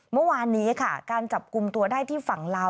เมื่อวานนี้ค่ะการจับกลุ่มตัวได้ที่ฝั่งลาว